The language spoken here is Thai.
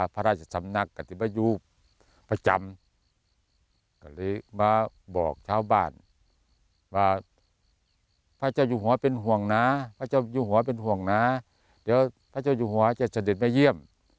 พระเจ้าอยู่หัวเป็นห่วงน้าเดี๋ยวพระเจ้าอยู่หัวจะเสด็จมาเยี่ยม